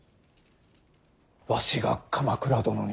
わしが鎌倉殿に。